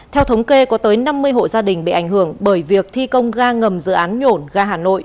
theo thống kê có tới năm mươi hộ gia đình bị ảnh hưởng bởi việc thi công ga ngầm dự án nhổn ga hà nội